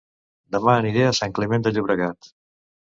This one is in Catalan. Dema aniré a Sant Climent de Llobregat